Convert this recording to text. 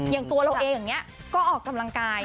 อย่างตัวเราเองอย่างนี้ก็ออกกำลังกาย